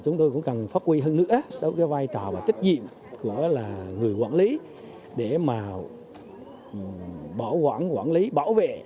chúng tôi cũng cần phát huy hơn nữa đối với vai trò và trách nhiệm của người quản lý để mà bảo quản quản lý bảo vệ